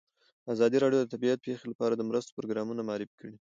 ازادي راډیو د طبیعي پېښې لپاره د مرستو پروګرامونه معرفي کړي.